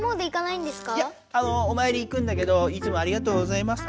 いやおまいり行くんだけど「いつもありがとうございます。